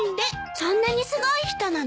そんなにすごい人なの？